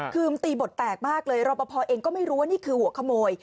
คือตีบทแตกมากเลยรอปภเองก็ไม่รู้ว่านี่คือหัวขโมย